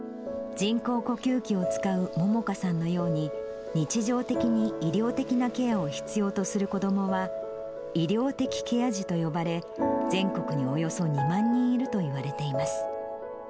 人工呼吸器を使う萌々華さんのように、日常的に医療的なケアを必要とする子どもは、医療的ケア児と呼ばれ、全国におよそ２万人いるといわれています。